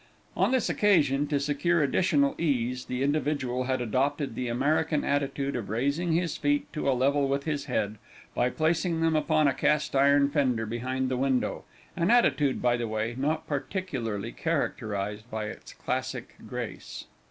On this occasion, to secure additional ease, the individual had adopted the American attitude of raising his feet to a level with his head, by placing them upon a cast iron fender behind the window an attitude, by the way, not particularly characterized by its classic grace.